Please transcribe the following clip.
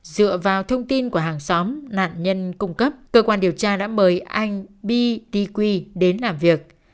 dựa vào thông tin của hàng xóm nạn nhân cung cấp cơ quan điều tra đã mời anh b t quy đến làm việc